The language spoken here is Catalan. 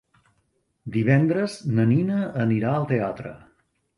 Divendres na Nina anirà al teatre.